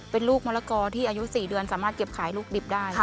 เป็นลูกมะละกอที่อายุ๔เดือนสามารถเก็บขายลูกดิบได้